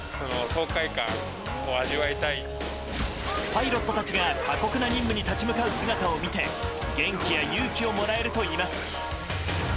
パイロットたちが過酷な任務に立ち向かう姿を見て元気や勇気をもらえるといいます。